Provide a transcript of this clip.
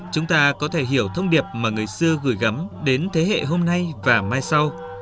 chúng ta có thể hiểu thông điệp mà người xưa gửi gắm đến thế hệ hôm nay và mai sau